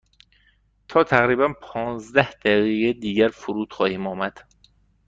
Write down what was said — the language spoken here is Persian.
تا تقریبا پانزده دقیقه دیگر فرود خواهیم آمد.